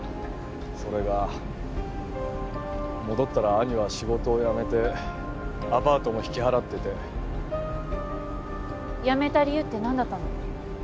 それが戻ったら兄は仕事を辞めてアパートも引き払ってて辞めた理由って何だったの？